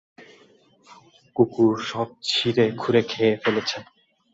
কুকুর সব ছিঁড়ে খুঁড়ে খেয়ে ফেলেছে।